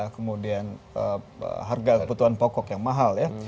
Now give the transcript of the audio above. kemudian harga kebutuhan pokok yang mahal ya